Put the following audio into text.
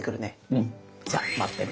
うん。じゃ待ってる。